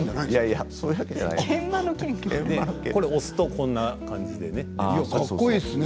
押すとこんな感じで。